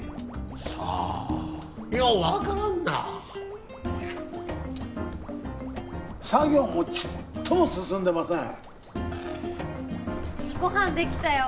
さあよう分からんな作業もちっとも進んでませんご飯できたよ